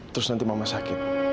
terus nanti mama sakit